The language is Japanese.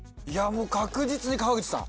確実に河口さん。